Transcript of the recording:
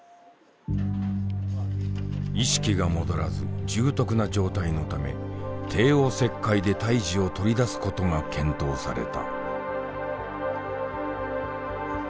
意識が戻らず重篤な状態のため帝王切開で胎児を取り出すことが検討された。